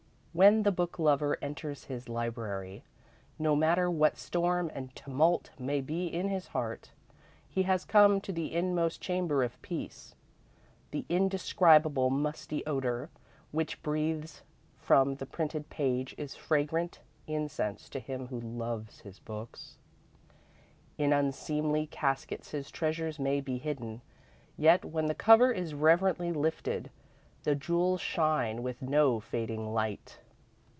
When the book lover enters his library, no matter what storm and tumult may be in his heart, he has come to the inmost chamber of Peace. The indescribable, musty odour which breathes from the printed page is fragrant incense to him who loves his books. In unseemly caskets his treasures may be hidden, yet, when the cover is reverently lifted, the jewels shine with no fading light.